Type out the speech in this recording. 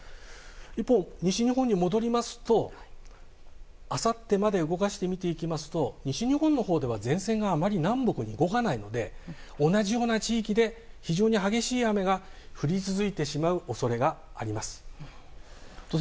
一方、西日本に戻りますとあさってまで動かして見ていくと西日本では前線があまり南北に動かないので同じような地域で非常に激しい雨が降り続いてしまう恐れがあります。